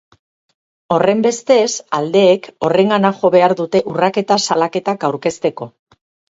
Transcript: Horrenbestez, aldeek horrengana jo behar dute urraketa salaketak aurkezteko.